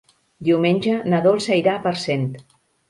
Diumenge na Dolça irà a Parcent.